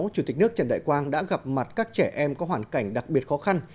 chủ tịch nước trần đại quang đã gặp mặt các trẻ em có hoàn cảnh đặc biệt khó khăn